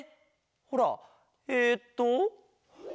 ほらえっと。